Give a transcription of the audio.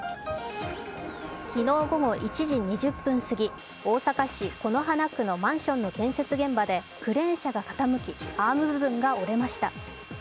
昨日午後１時２０分すぎ大阪市此花区のマンションの建設現場でクレーン車が傾き、アーム部分が折れました。